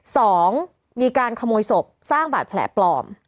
สองมีการขโมยศพสร้างบาดแผลปลอม